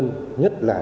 nhất là những người dân